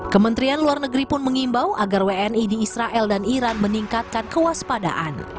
kementerian luar negeri pun mengimbau agar wni di israel dan iran meningkatkan kewaspadaan